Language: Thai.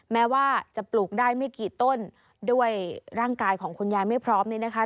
แม้ว่าจะปลูกได้ไม่กี่ต้นด้วยร่างกายของคุณยายไม่พร้อมนี่นะคะ